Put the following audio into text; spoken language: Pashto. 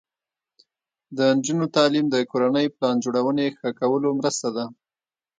د نجونو تعلیم د کورنۍ پلان جوړونې ښه کولو مرسته ده.